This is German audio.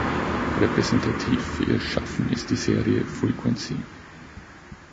Repräsentativ für ihr Schaffen ist die Serie „Frequency“.